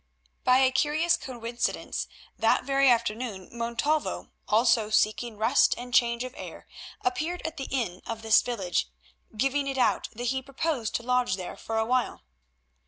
By a curious coincidence that very afternoon Montalvo, also seeking rest and change of air, appeared at the inn of this village, giving it out that he proposed to lodge there for a while.